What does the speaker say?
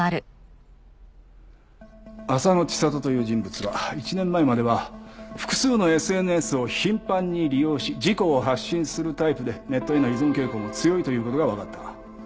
浅野知里という人物は１年前までは複数のＳＮＳを頻繁に利用し自己を発信するタイプでネットへの依存傾向も強いという事がわかった。